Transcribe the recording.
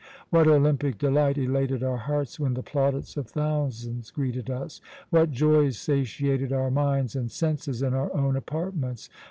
What Olympic delight elated our hearts when the plaudits of thousands greeted us! What joys satiated our minds and senses in our own apartments!